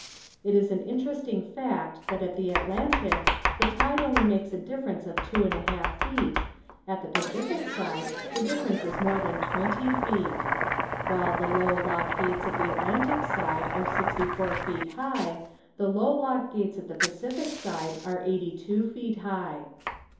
It is an interesting fact that at the Atlantic the tide only makes a difference of two and a half feet, at the Pacific side the difference is more than twenty feet. While the low lock gates at the Atlantic side are sixty four feet high the low lock gates at the Pacific side are eighty two feet high.